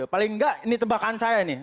paling nggak ini tebakan saya nih